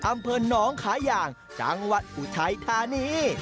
อำเภอหนองขาย่างจังหวัดอุทัยธานี